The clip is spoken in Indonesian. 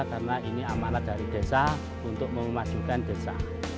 karena ini amalat dari desa untuk memasukkan desa